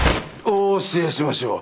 お教えしましょう。